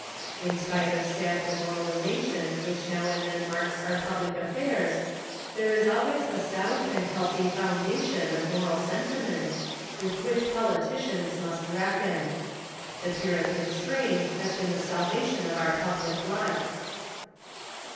In spite of sad demoraliza tion wliicl) now and then marks our public affairs, there is al ways a sound and healthy foundation of moral sentiment with which politicians must reckon. The Puritan strain has been the salvation of our public life.